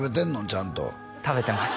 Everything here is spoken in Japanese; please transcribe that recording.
ちゃんと食べてます